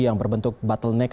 yang berbentuk bottleneck